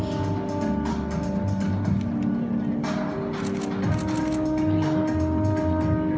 คุณมาชมไปกับทีนี้